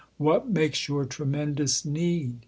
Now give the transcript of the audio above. what makes your tremendous need